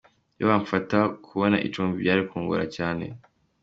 Iyo batamfasha kubona icumbi byari kungora cyane”.